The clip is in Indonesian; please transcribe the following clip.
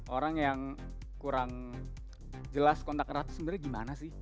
orang yang kurang jelas kontak erat itu sebenarnya gimana sih